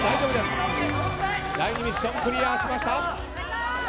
第２ミッションクリアしました。